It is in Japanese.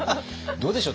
どうでしょう？